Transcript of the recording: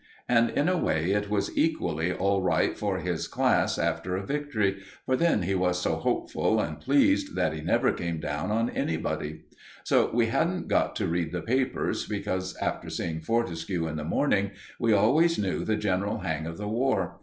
And in a way it was equally all right for his class after a victory, for then he was so hopeful and pleased that he never came down on anybody. So we hadn't got to read the papers, because, after seeing Fortescue in the morning, we always knew the general hang of the War.